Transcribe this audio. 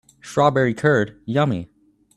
Strawberry curd, yummy!